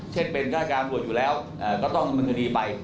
เช่นเป็นฆาตการตรวจอยู่แล้วก็ต้องดำเนินคดีไป